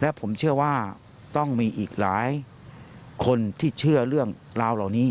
และผมเชื่อว่าต้องมีอีกหลายคนที่เชื่อเรื่องราวเหล่านี้